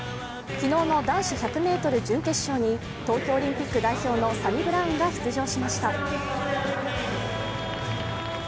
昨日の男子１００ｍ準決勝に東京オリンピック代表のサニブラウンが出場しました。